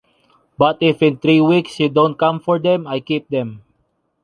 But if in three weeks you don’t come for them, I keep them.